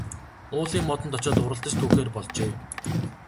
Уулын модонд очоод уралдаж түүхээр болжээ.